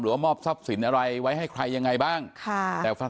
ลูกสาวของเธอ